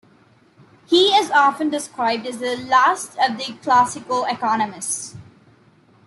He is often described as the "last of the classical economists".